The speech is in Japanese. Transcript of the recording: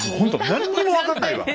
ほんと何にも分かんないわ。